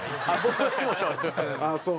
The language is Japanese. ああそう。